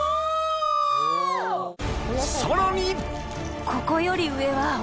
［さらに］